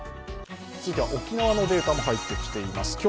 沖縄のデータも入ってきています。